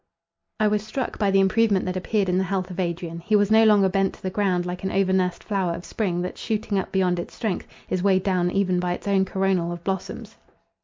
I was struck by the improvement that appeared in the health of Adrian. He was no longer bent to the ground, like an over nursed flower of spring, that, shooting up beyond its strength, is weighed down even by its own coronal of blossoms.